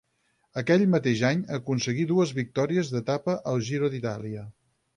Aquell mateix any aconseguí dues victòries d'etapa al Giro d'Itàlia.